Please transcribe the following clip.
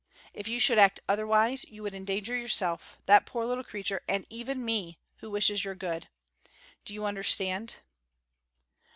If you should act otherwise you would endanger yourself, that poor little creature, and even me, who wishes your good. Do you understand?"